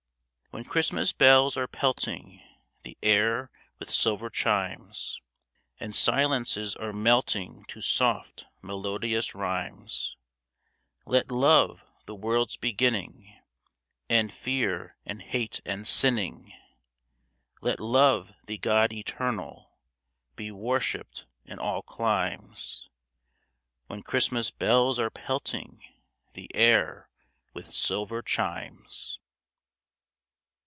When Christmas bells are pelting the air with silver chimes, And silences are melting to soft, melodious rhymes, Let Love, the world's beginning, End fear and hate and sinning; Let Love, the God Eternal, be worshipped in all climes When Christmas bells are pelting the air with silver chimes.